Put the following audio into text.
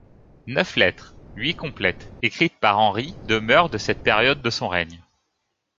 Neuf lettres, huit complètes, écrites par Henri demeurent de cette période de son règne.